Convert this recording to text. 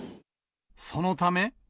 そのため。